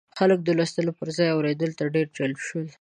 خلک د لوستلو پر ځای اورېدلو ته ډېر جلب شول.